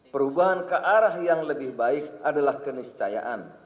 perubahan kearah yang lebih baik adalah keniscayaan